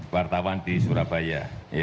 wartawan di surabaya